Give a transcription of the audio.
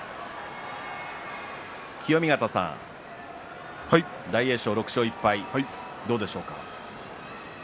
清見潟さん、大栄翔６勝１敗どうでしょうか。